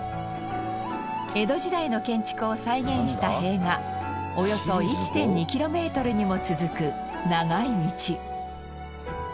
江戸時代の建築を再現した塀がおよそ１．２キロメートルにも続く長い道。